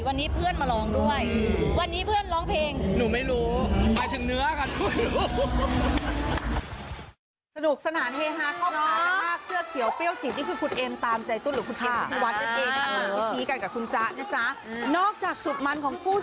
วันนี้เพื่อนมาร้องด้วยวันนี้เพื่อนร้องเพลง